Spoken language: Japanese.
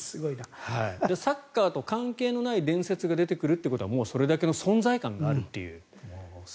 サッカーと関係のない伝説が出てくるということはそれだけの存在感があると。